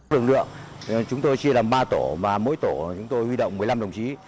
thường lượng chúng tôi chia làm ba tổ và mỗi tổ chúng tôi huy động một mươi năm đồng chí